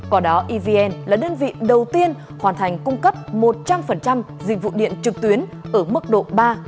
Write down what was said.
còn đó evn là đơn vị đầu tiên hoàn thành cung cấp một trăm linh dịch vụ điện trực tuyến ở mức độ ba bốn